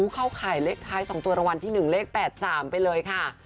เข้าข่ายเลขท้าย๒ตัวรางวัลที่๑เลข๘๓ไปเลยค่ะ